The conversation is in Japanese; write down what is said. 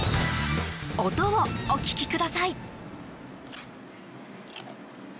音をお聞きください。